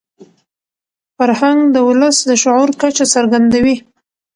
فرهنګ د ولس د شعور کچه څرګندوي.